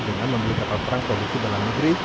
dengan membeli kapal perang produksi dalam negeri